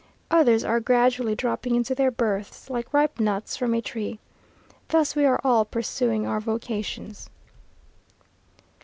Others are gradually dropping into their berths, like ripe nuts from a tree. Thus are we all pursuing our vocations.